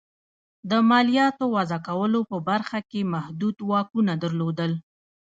د مالیاتو وضعه کولو په برخو کې محدود واکونه درلودل.